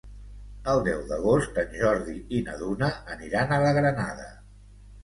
El deu d'agost en Jordi i na Duna aniran a la Granada.